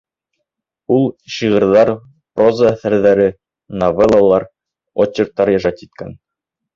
Ул шиғырҙар, проза әҫәрҙәре, новеллалар, очерктар ижад иткән.